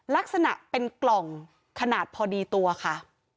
ลักษณะเป็นกล่องขนาดพอดีตัวค่ะ